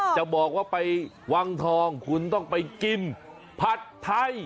จะบอกว่าไปวังทองคุณต้องไปกินผัดไทย